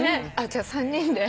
じゃあ３人で。